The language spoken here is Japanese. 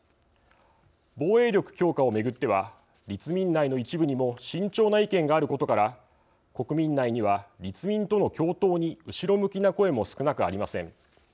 防衛力強化を巡っては立民内の一部にも慎重な意見があることから国民内には立民との共闘に後ろ向きな声も少なくありません。